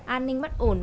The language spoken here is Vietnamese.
an ninh bất ổn